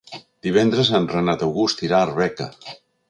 Divendres en Renat August irà a Arbeca.